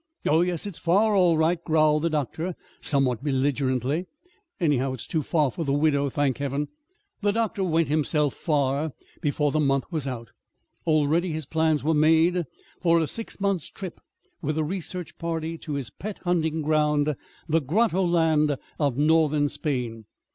"Oh, yes, it's far, all right," growled the doctor, somewhat belligerently. "Anyhow, it's too far for the widow, thank Heaven!" The doctor went himself "far" before the month was out. Already his plans were made for a six months' trip with a research party to his pet hunting ground the grotto land of northern Spain.